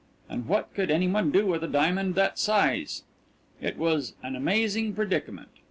And what could any one do with a diamond that size? It was an amazing predicament.